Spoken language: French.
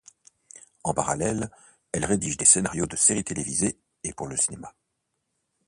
En parallèle, elle rédige des scénarios de séries télévisées et pour le cinéma.